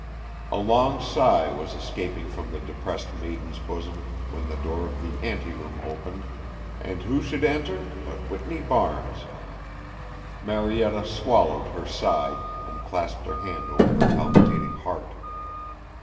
A long sigh was escaping from the depressed maiden's bosom when the door of the anteroom opened and who should enter but Whitney Barnes. Marietta swallowed her sigh and clasped her hand over her palpitating heart.